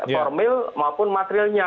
formil maupun materilnya